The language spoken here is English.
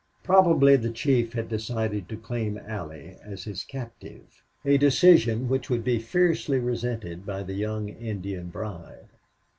Probably the chief had decided to claim Allie as his captive, a decision which would be fiercely resented by the young Indian bride.